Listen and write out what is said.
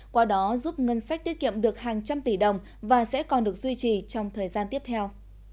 qua đó giúp ngân sách tiết kiệm được hàng trăm tỷ đồng và sẽ còn được duy trì trong thời gian tiếp theo